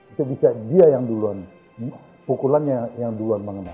itu bisa dia yang duluan pukulannya yang duluan mengenal